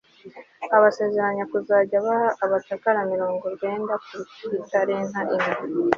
abasezeranya kuzajya abaha abacakara mirongo urwenda ku italenta imwe